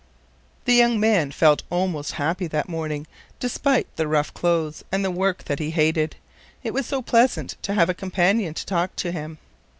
The young man felt almost happy that morning, despite the rough clothes and the work that he hated. It was so pleasant to have a companion to talk to him.